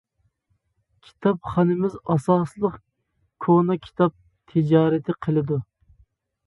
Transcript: كىتابخانىمىز ئاساسلىق كونا كىتاب تىجارىتى قىلىدۇ.